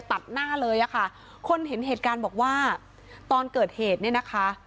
ตัดหน้าเลยอะค่ะคนเห็นเหตุการณ์บอกว่าตอนเกิดเหตุเนี่ยนะคะ